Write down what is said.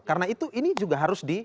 karena itu ini juga harus di